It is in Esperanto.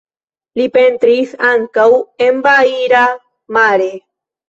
Li pentris ankaŭ en Baia Mare.